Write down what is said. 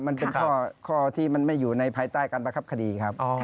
มันเป็นข้อที่มันไม่อยู่ในภายใต้การประคับคดีครับ